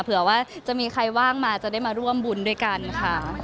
เผื่อว่าจะมีใครว่างมาจะได้มาร่วมบุญด้วยกันค่ะ